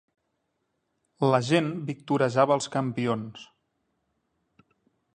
La gent victorejava els campions.